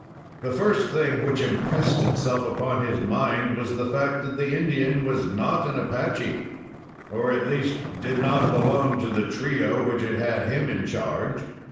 The first thing which impressed itself upon his mind was the fact that the Indian was not an Apache, or at least, did not belong to the trio which had had him in charge.